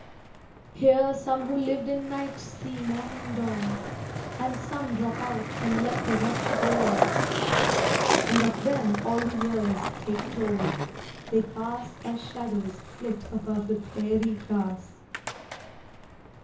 Here some who lived in night see morning dawn And some drop out and let the rest go on. And of them all the years take toll; they pass As shadows flit above the prairie grass.